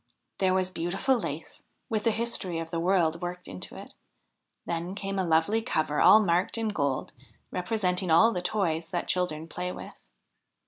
There was beautiful lace with the history of the world worked into it ; then came a lovely cover all marked in gold representing all the toys that children play with.